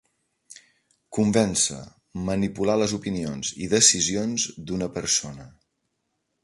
Convèncer, manipular les opinions i decisions d'una persona.